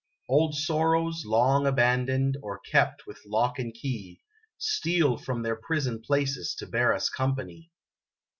Old sorrows, long abandoned, or kept with lock and key, Steal from their prison places to bear us company.